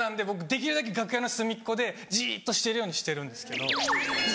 できるだけ楽屋の隅っこでじっとしてるようにしてるんですけど。